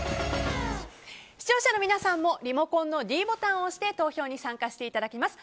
視聴者の皆さんもリモコンのｄボタンを押して投票に参加していただきます。